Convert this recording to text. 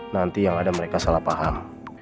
nanti yang ada mereka salah paham